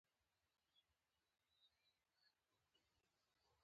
پسې بیا نورې مینې راځي.